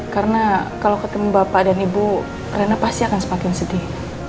karena kalau ketemu bapak dan ibu rena pasti akan semakin sedih